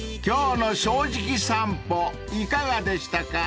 ［今日の『正直さんぽ』いかがでしたか］